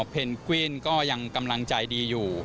เพนกวินก็ยังกำลังใจดีอยู่